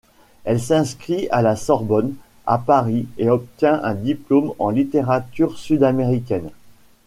Elle s'inscrit à La Sorbonne, à Paris, et obtient un diplôme en littérature sud-américaine.